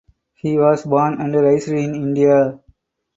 He was born and raised in India.